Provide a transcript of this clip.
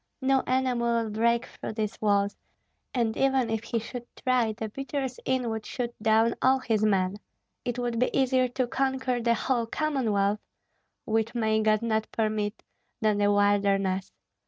No enemy will break through these walls, and even if he should try the beaters in would shoot down all his men. It would be easier to conquer the whole Commonwealth which may God not permit! than the wilderness.